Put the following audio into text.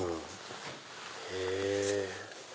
へぇ。